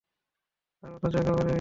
আর খরচ একেবারে পাহাড়সম।